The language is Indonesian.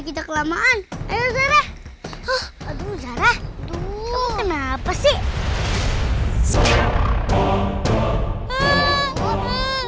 kita kelamaan ayo zara oh aduh zara dulu kenapa sih